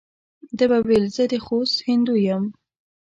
ده به ویل زه د خوست هندو یم.